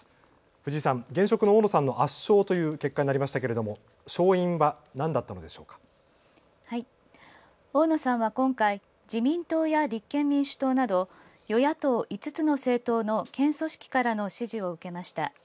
藤井さん、現職の大野さんの圧勝という形になりましたけれども大野さんは今回自民党や立憲民主党など、与野党５つの政党の県組織からの支持を受けました。